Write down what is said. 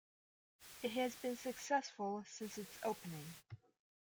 It has been successful since its opening.